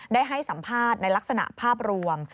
ได้ให้สัมภาษณ์ในลักษณะภาพรวม